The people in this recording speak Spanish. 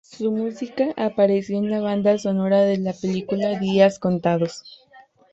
Su música apareció en la banda sonora de la película Días contados.